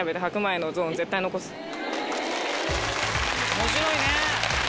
面白いね。